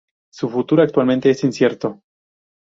Su futuro actualmente es incierto.